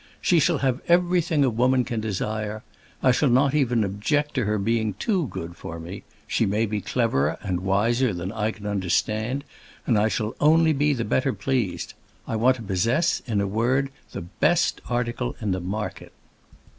She shall have everything a woman can desire; I shall not even object to her being too good for me; she may be cleverer and wiser than I can understand, and I shall only be the better pleased. I want to possess, in a word, the best article in the market."